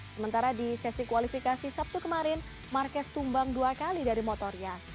sementara di sesi kualifikasi sabtu kemarin marquez tumbang dua kali dari motornya